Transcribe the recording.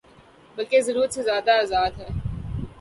بلکہ ضرورت سے زیادہ آزاد ہے۔